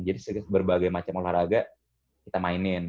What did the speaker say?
jadi berbagai macam olahraga kita mainin